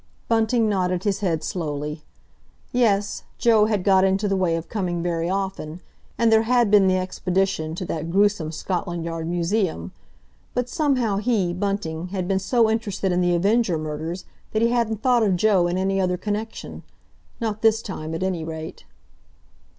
Bunting nodded his head slowly. Yes, Joe had got into the way of coming very often, and there had been the expedition to that gruesome Scotland Yard museum, but somehow he, Bunting, had been so interested in the Avenger murders that he hadn't thought of Joe in any other connection—not this time, at any rate.